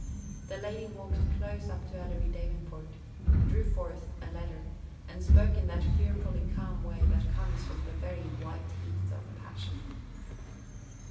The lady walked close up to Ellery Davenport, drew forth a letter, and spoke in that fearfully calm way that comes from the very white heat of passion.